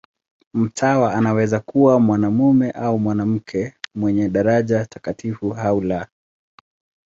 Mtawa anaweza kuwa mwanamume au mwanamke, mwenye daraja takatifu au la.